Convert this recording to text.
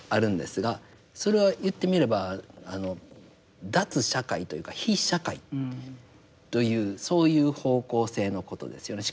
それは言ってみればあの脱社会というか非社会というそういう方向性のことですよね。